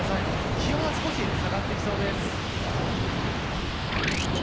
気温は少し下がってきそうです。